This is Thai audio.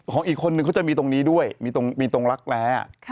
อีกคนนึงเขาจะมีตรงนี้ด้วยมีตรงรักแร้